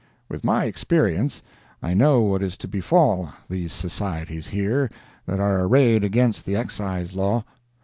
With my experience, I know what is to befall these societies here that are arrayed against the Excise law.